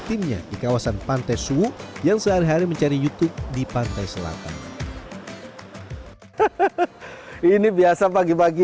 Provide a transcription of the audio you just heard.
timnya di kawasan pantai suwu yang sehari hari mencari youtube di pantai selatan ini biasa pagi pagi